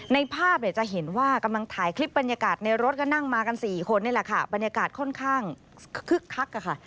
ในภาพเนี่ยจะเห็นว่ากำลังถ่ายคลิปบรรยากาศในรถก็นั่งมากันสี่คนนี่แหละค่ะบรรยากาศค่อนข้างคึกคักค่ะ